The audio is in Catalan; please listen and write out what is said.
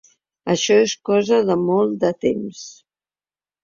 Això és cosa de molt de temps.